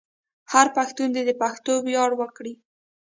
هر پښتون دې د پښتو ویاړ وکړي.